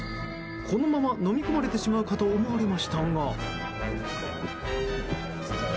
このまま飲み込まれてしまうかと思われましたが。